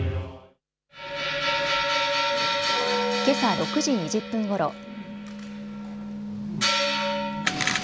けさ６時２０分ごろ。